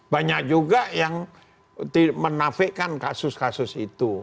banyak juga yang menafikan kasus kasus itu